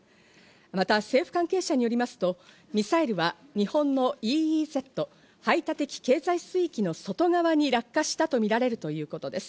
また政府関係者によりますと、ミサイルは日本のＥＥＺ＝排他的経済水域の外側に落下したとみられるということです。